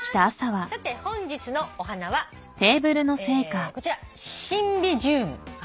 さて本日のお花はこちらシンビジューム。